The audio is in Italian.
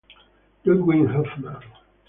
Ludwig Hofmann